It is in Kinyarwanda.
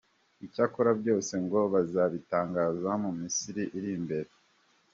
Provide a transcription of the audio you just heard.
Icyakora byose ngo bazabitangaza mu minsi iri imbere.